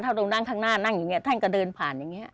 ถ้าต้องนั่งทางหน้านั่งอยู่อย่างเงี้ยท่านก็เดินผ่านอย่างเงี้ย